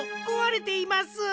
こわれています！